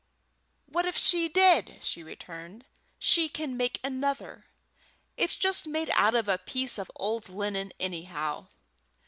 "What if she did?" she returned. "She can make another. It's just made out of a piece of old linen, anyhow.